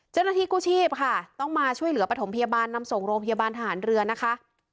เจ้าหน้าที่กู้ชีพค่ะต้องมาช่วยเหลือปฐมพยาบาลนำส่งโรงพยาบาลทหารเรือนะคะ